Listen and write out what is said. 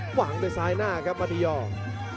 หวังโดยซ้ายหน้าครับมาดียอร์